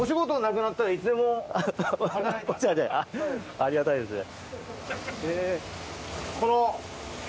ありがたいですね。